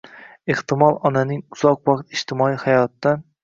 ehtimol, onaning uzoq vaqt ijtimoiy hayotdan